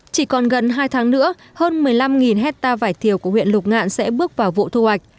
chỉ còn gần hai tháng nữa hơn một mươi năm hectare vải thiều của huyện lục ngạn sẽ bước vào vụ thu hoạch